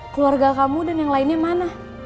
keluarga kamu dan yang lainnya mana